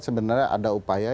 sebenarnya ada upaya